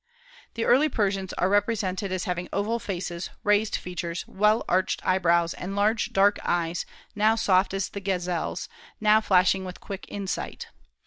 The early Persians are represented as having oval faces, raised features, well arched eyebrows, and large dark eyes, now soft as the gazelle's, now flashing with quick insight.